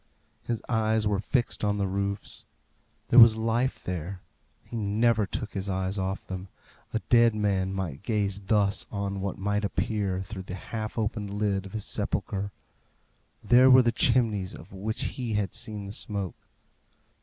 His eyes were fixed on the roofs. There was life there. He never took his eyes off them. A dead man might gaze thus on what might appear through the half opened lid of his sepulchre. There were the chimneys of which he had seen the smoke.